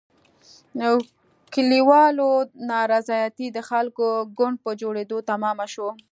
کلیوالو نارضایتي د خلکو ګوند په جوړېدو تمامه شوه.